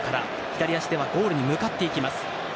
左足では、ゴールに向かっていきます。